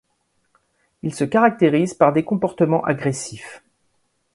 Il se caractérise par des comportements agressifs.